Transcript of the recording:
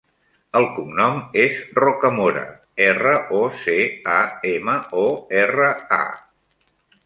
El cognom és Rocamora: erra, o, ce, a, ema, o, erra, a.